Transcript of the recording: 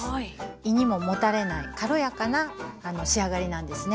胃にももたれない軽やかな仕上がりなんですね。